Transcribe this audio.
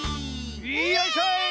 よいしょい！